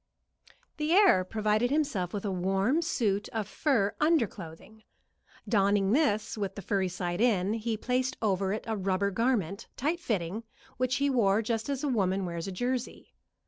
The heir provided himself with a warm suit of fur under clothing. Donning this with the furry side in, he placed over it a rubber garment, tight fitting, which he wore just as a woman wears a jersey.